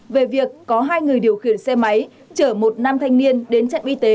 về việc có hai người điều khiển xe máy chở một nam thanh niên đến trạm y tế